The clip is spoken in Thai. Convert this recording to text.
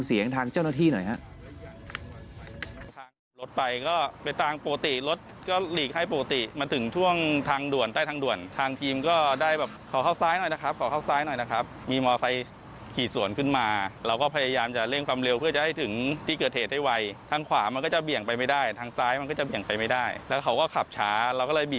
เสียงทางเจ้าหน้าที่หน่อยครับ